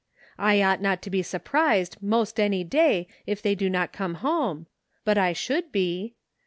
I ought not to be surprised most any day if they do not come home, but I should be.